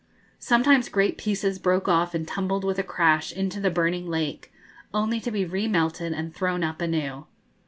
Sometimes great pieces broke off and tumbled with a crash into the burning lake, only to be remelted and thrown up anew.